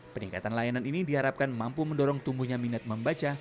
peningkatan layanan ini diharapkan mampu mendorong tumbuhnya minat membaca